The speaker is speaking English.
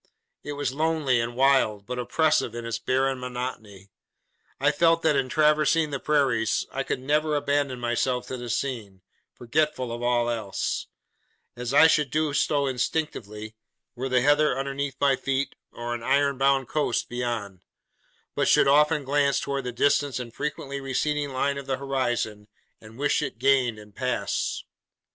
It was lonely and wild, but oppressive in its barren monotony. I felt that in traversing the Prairies, I could never abandon myself to the scene, forgetful of all else; as I should do instinctively, were the heather underneath my feet, or an iron bound coast beyond; but should often glance towards the distant and frequently receding line of the horizon, and wish it gained and passed.